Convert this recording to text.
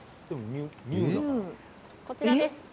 こちらですね